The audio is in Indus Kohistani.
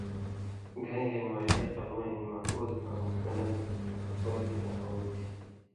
گَھیں گَھیں مُعاہدی قلمہ ہِن محفُوظ آں مستند ہُوتھی آں ہو تھی۔